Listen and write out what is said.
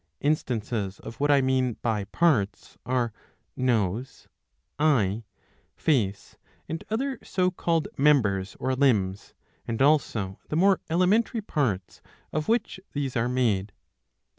Instances of what I mean by parts are Nose, Eye, Face, and other so called members or limbs, and also the more elementary parts of which these are made.